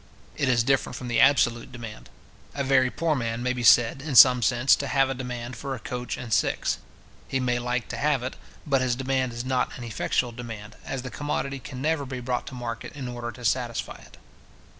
It is different from the absolute demand. A very poor man may be said, in some sense, to have a demand for a coach and six; he might like to have it; but his demand is not an effectual demand, as the commodity can never be brought to market in order to satisfy it.